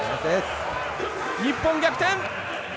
日本逆転！